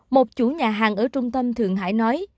một chủ nhà hàng ở trung tâm thượng hải nói